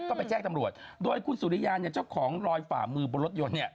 ก็ไปแจ้งตำรวจโดยคุณสุริยาเนี่ยเจ้าของลอยฝ่ามือบนรถยนต์เนี่ย